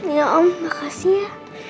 iya om makasih ya